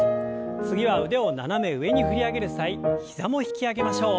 次は腕を斜め上に振り上げる際膝も引き上げましょう。